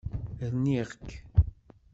Rniɣ-k.